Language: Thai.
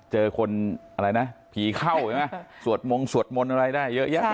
เจอคนผีเข้าสวดมงสวดมนต์อะไรได้เยอะแยะ